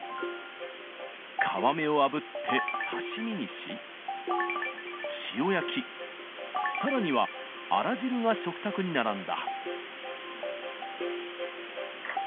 皮目をあぶって刺身にし、塩焼き、さらにはあら汁が食卓に並んだ。